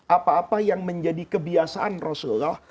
apa apa yang menjadi kebiasaan rasulullah